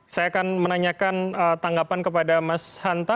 saya akan menanyakan tanggapan kepada mas hanta